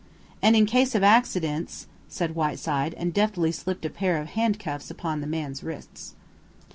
"And in case of accidents," said Whiteside, and deftly slipped a pair of handcuffs upon the man's wrists.